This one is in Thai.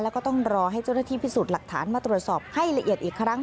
แล้วก็ต้องรอให้เจ้าหน้าที่พิสูจน์หลักฐานมาตรวจสอบให้ละเอียดอีกครั้ง